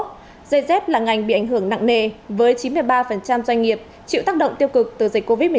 dây dép là ngành bị ảnh hưởng nặng nề với chín mươi ba doanh nghiệp chịu tác động tiêu cực từ dịch covid một mươi chín